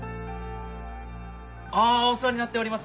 ああお世話になっております